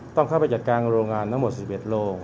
ต้องเข้าไปจัดการโรงงานทั้งหมด๑๑โล